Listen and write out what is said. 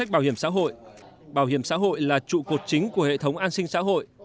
bảo hiểm xã hội bảo hiểm xã hội là trụ cột chính của hệ thống an sinh xã hội